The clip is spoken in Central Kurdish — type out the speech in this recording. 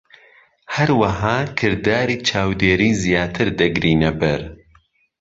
هەروەها، کرداری چاودێری زیاتر دەگرینە بەر.